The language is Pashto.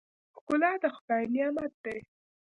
ښکلا د خدای نعمت دی.